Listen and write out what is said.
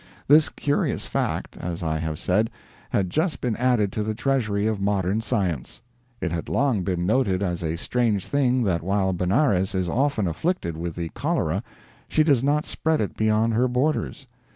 This curious fact, as I have said, had just been added to the treasury of modern science. It had long been noted as a strange thing that while Benares is often afflicted with the cholera she does not spread it beyond her borders.